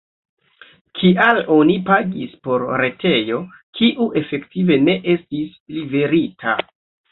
Kial oni pagis por retejo, kiu efektive ne estis liverita?